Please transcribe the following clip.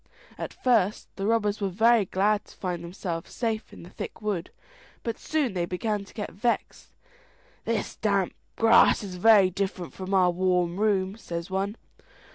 At first the robbers were very glad to find themselves safe in the thick wood, but they soon began to get vexed. "This damp grass is very different from our warm room," says one.